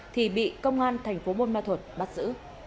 thì bị công an thành phố buôn ma thuột bắt giữ